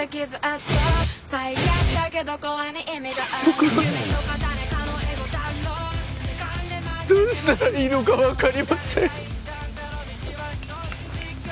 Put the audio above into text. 僕はどうしたらいいのか分かりません。